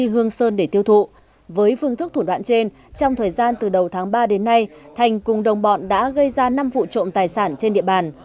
hôm ba đến nay thành cùng đồng bọn đã gây ra năm vụ trộm tài sản trên địa bàn